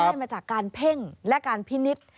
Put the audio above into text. ได้มาจากการเพ่งและการพินิษฐ์